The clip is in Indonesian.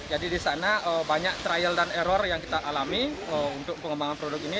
di sana banyak trial dan error yang kita alami untuk pengembangan produk ini